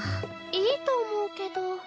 いいと思うけど。